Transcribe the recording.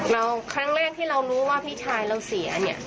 แล้วครั้งแรกที่เรารู้ว่าพี่ชายเราเสียเนี่ย